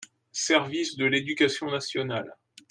service de l'éducation nationale.